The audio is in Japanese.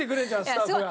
スタッフが。